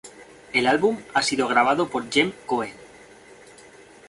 El álbum ha sido grabado por Jem Cohen.